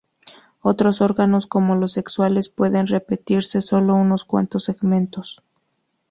Otros órganos, como los sexuales, pueden repetirse solo unos cuantos segmentos.